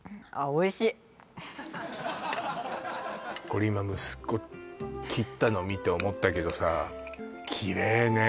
これ今息子切ったの見て思ったけどさキレイね